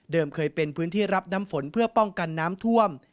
เคยเป็นพื้นที่รับน้ำฝนเพื่อป้องกันน้ำท่วม